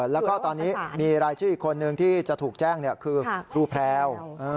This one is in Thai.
แล้วก็ตอนนี้มีรายชื่ออีกคนนึงที่จะถูกแจ้งคือครูแพรว